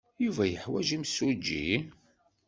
Yuba yeḥwaj imsujji?